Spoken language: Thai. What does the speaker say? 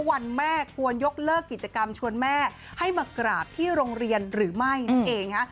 วันแม่ควรยกเลิกกิจกรรมชวนแม่ให้มากราบที่โรงเรียนหรือไม่นั่นเองฮะ